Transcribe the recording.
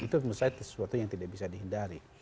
itu misalnya sesuatu yang tidak bisa dihindari